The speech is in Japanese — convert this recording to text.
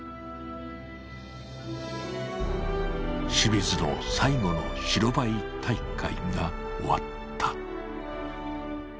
清水の最後の白バイ大会が終わった。